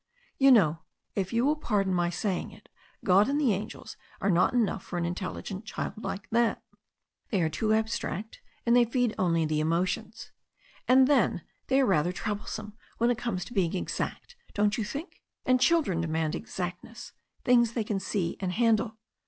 "You know, if you will pardon my saying it, God and the angels are not enough for an in telligent child like that. They are too abstract, and they feed only the emotions. And then, they are rather trouble some when it comes to being exact, don't you think? And children demand exactness, things they can see and handle.